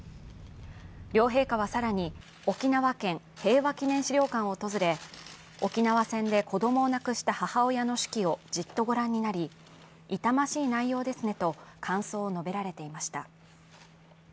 両陛下は更に、沖縄県平和祈念資料館を訪れ、沖縄戦で子供を亡くした母親の手記をじっとご覧になり、痛ましい内容ですねと感想を述べられていました。